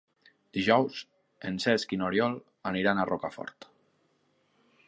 Dijous en Cesc i n'Oriol aniran a Rocafort.